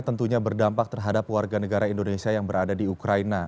tentunya berdampak terhadap warga negara indonesia yang berada di ukraina